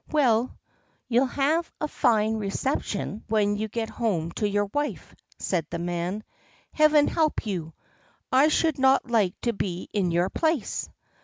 "Well, you'll have a fine reception when you get home to your wife," said the man. "Heaven help you! I should not like to be in your place."